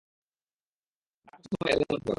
ড্রাক সবসময় এরকমটা করে।